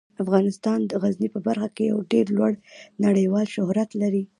افغانستان د غزني په برخه کې یو ډیر لوړ نړیوال شهرت لري.